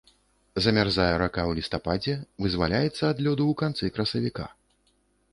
Замярзае рака ў лістападзе, вызваляецца ад лёду ў канцы красавіка.